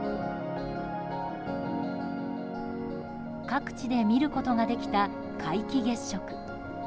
各地で見ることができた皆既月食。